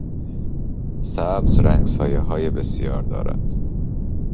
سبز رنگسایههای بسیار دارد.